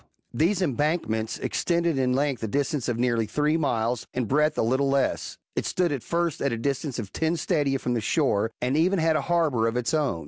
These embankments extended in length a distance of nearly three miles, in breadth a little less. It stood at first at a distance of ten stadia from the shore, and even had a harbour^ of its own.